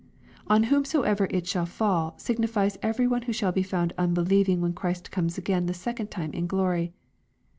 " On whomsoever it shall fall," signifies every one who shall be found unbelieving when Christ comes again the second time in glory.